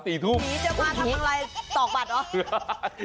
ไปต่อกบัตรหรอ